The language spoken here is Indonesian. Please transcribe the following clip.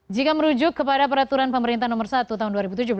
jika merujuk kepada peraturan pemerintah nomor satu tahun dua ribu tujuh belas